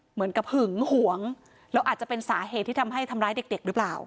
เหมือนกับหึงหวงแล้วอาจจะเป็นสาเหตุที่ทำให้ทำร้ายเด็กหรือเปล่า